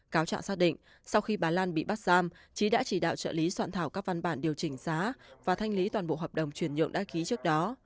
cáo trạng xác định sau khi bà lan bị bắt giam trí đã chỉ đạo trợ lý soạn thảo các văn bản điều chỉnh giá và thanh lý toàn bộ hợp đồng chuyển nhượng đã ký trước đó